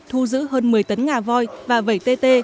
thu giữ hơn một mươi tấn ngà voi và vẩy tê tê